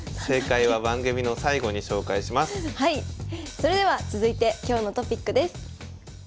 それでは続いて今日のトピックです。